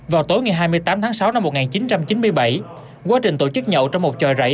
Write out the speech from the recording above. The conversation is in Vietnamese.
vào tối ngày hai mươi tám tháng sáu năm một nghìn chín trăm chín mươi bảy quá trình tổ chức nhậu trong một tròi rẫy